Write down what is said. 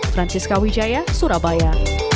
francisca wijaya surabaya